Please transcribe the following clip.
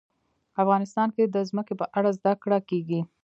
افغانستان کې د ځمکه په اړه زده کړه کېږي.